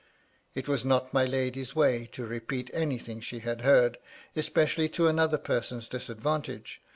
It was not my lady's way to repeat anything she had heard, especially to another person's disadvantage.